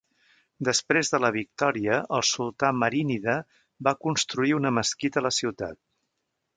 Després de la victòria el sultà marínida va construir una mesquita a la ciutat.